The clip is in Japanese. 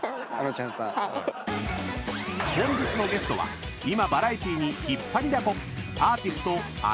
［本日のゲストは今バラエティーに引っ張りだこ！］